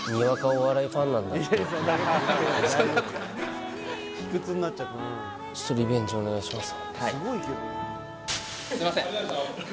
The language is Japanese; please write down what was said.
なんだってちょっとリベンジお願いします